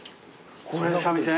これ三味線？